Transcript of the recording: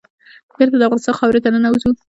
بېرته د افغانستان خاورې ته ننوزو.